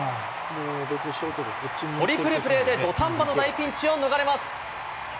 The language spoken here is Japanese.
トリプルプレーで土壇場の大ピンチを逃れます。